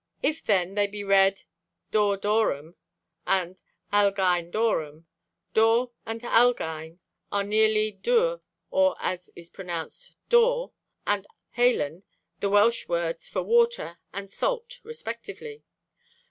If, then, they be read dor dorum, and halgein dorum, dor and halgein are nearly dwr (or, as it is pronounced, door) and halen, the Welsh words for water and salt respectively.